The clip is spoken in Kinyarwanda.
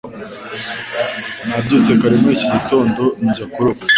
Nabyutse kare muri iki gitondo njya kuroba